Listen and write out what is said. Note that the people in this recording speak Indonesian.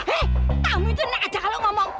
hei kamu itu nggak ada kalau ngomong